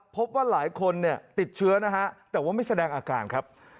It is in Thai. พบว่าหลายคนเนี่ยติดเชื้อนะฮะแต่ว่าไม่แสดงอาการครับ